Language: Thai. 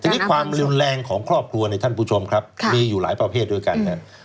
ณความรุนแรงของครอบครัวได้ท่านผู้ชมครับมีอยู่หลายประเภทด้วยกัน